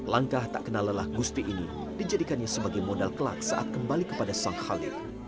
langkah tak kenal lelah gusti ini dijadikannya sebagai modal kelak saat kembali kepada sang khalid